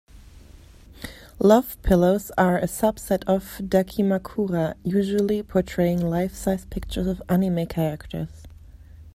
Love pillows are a subset of "dakimakura" usually portraying life-size pictures of anime characters.